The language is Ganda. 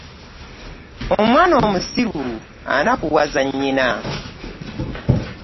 Omwana omusiru anakuwoza nnyina!